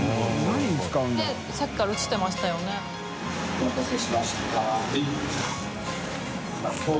お待たせしました。